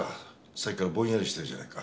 さっきからぼんやりしてるじゃないか。